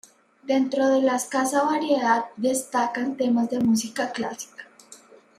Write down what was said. Dentro de la escasa variedad, destacan temas de música clásica.